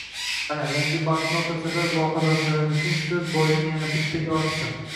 Mana, yangi banknota sabab vohadoshimizning soʻz boyligi yana bittaga ortdi.